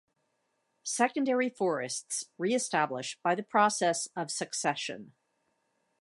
Secondary forests re-establish by the process of succession.